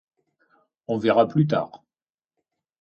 On verra plus tard.